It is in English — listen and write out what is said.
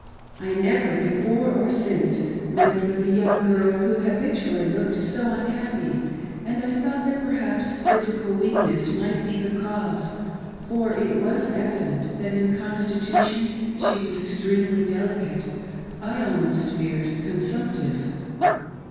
I never, befpre or since, met with a young girl who habitually looked so unhappy ; and I thought that perhaps physical weakness might be the cause, for it was 419 "CARRIE. evident that iil constitution ^e was extremely delicate — I almost feared consumptive.